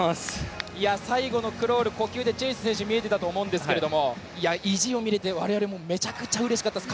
最後のクロール呼吸でチェイス選手見えていたと思うんですけど意地を見れて我々もめちゃくちゃうれしかったです。